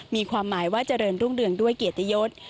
มีความหมายว่าเจริญรุ่งเรืองด้วยเกียรติยศ